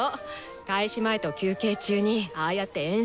開始前と休憩中にああやって演奏してくれるの。